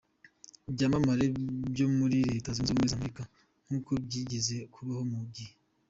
byamamare byo muri Leta Zunze Ubumwe za Amerika nkuko byigeze kubaho mu gihe.